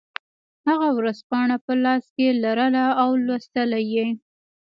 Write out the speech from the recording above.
هغه ورځپاڼه په لاس کې لرله او لوستله یې